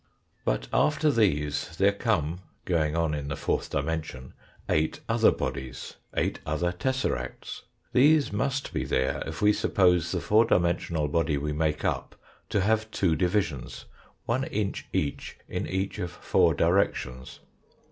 But after these there come, going on in the fourth di mension, eight other bodies, eight other tesseracts. These must be there, if we suppose the four dimensional body we make up to have two divisions, one inch each in each of four directions.